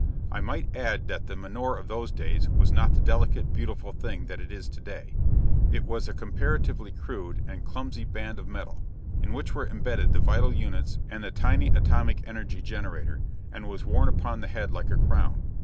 I might add that the menore of those days was not the delicate, beautiful thing that it is to day: it was comparatively crude, and clumsy band of metal, in which were imbedded the vital units and the tiny atomic energy generator, and was worn upon the head like a crown.